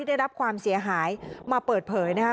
ได้รับความเสียหายมาเปิดเผยนะคะ